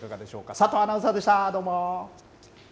佐藤アナウンサーでした。